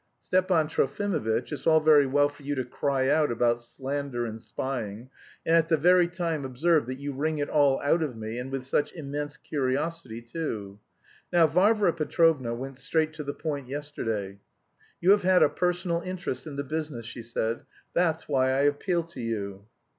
Stepan Trofimovitch, it's all very well for you to cry out about slander and spying, and at the very time observe that you wring it all out of me, and with such immense curiosity too. Now, Varvara Petrovna went straight to the point yesterday. 'You have had a personal interest in the business,' she said, 'that's why I appeal to you.'